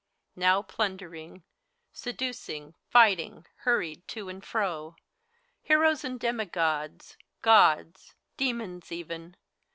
Now plundering. Seducing, fighting, hurried to and fro. Heroes and Demigods, Gk>ds, Demons even.